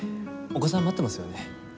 お子さん待ってますよね？